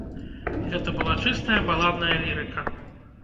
Гэта была чыстая баладная лірыка.